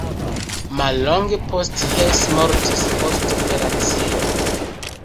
Mallonge post Hess mortis post operacio.